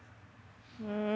うん。